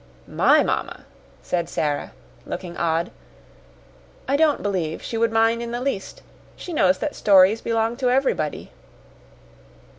"My mamma!" said Sara, looking odd. "I don't believe she would mind in the least. She knows that stories belong to everybody."